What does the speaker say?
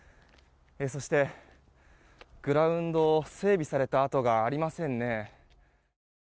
そして、グラウンドは整備された跡がありませんね。